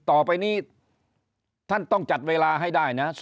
ต่อไปนี้ท่านต้องจัดเวลาให้ได้นะ